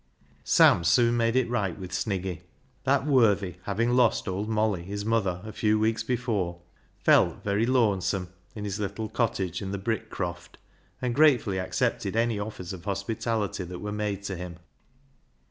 Sam soon made it right with Sniggy. That worthy having lost Old Molly, his mother, a few weeks before, felt very " looansome " in his little cottage in the Brickcroft, and gratefully accepted any offers of hospitality that were made to him.